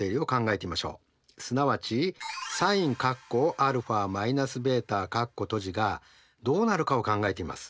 すなわちｓｉｎがどうなるかを考えてみます。